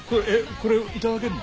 これえっいただけるの？